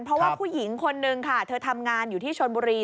เพราะว่าผู้หญิงคนนึงค่ะเธอทำงานอยู่ที่ชนบุรี